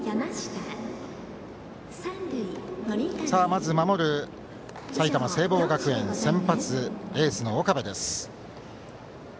まず守る埼玉・聖望学園先発はエースの岡部です。